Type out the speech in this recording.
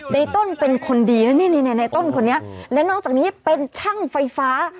ในต้นเป็นคนดีแล้วนี่ในต้นคนนี้และนอกจากนี้เป็นช่างไฟฟ้า